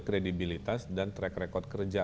kredibilitas dan track record kerja